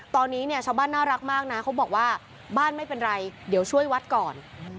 ตอนนี้เนี่ยชาวบ้านน่ารักมากนะเขาบอกว่าบ้านไม่เป็นไรเดี๋ยวช่วยวัดก่อน